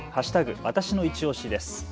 わたしのいちオシです。